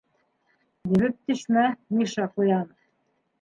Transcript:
- Ебеп төшмә, Миша Ҡуянов.